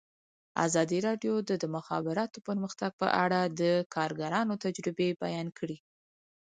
ازادي راډیو د د مخابراتو پرمختګ په اړه د کارګرانو تجربې بیان کړي.